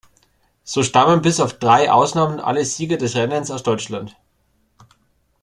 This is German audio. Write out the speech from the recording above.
So stammen bis auf drei Ausnahmen alle Sieger des Rennens aus Deutschland.